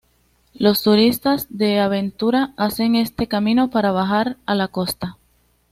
Los turistas de aventura hacen este camino para bajar a la Costa.